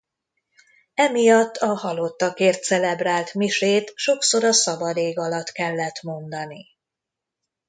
Emiatt a halottakért celebrált misét sokszor a szabad ég alatt kellett mondani.